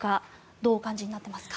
どうお感じになっていますか？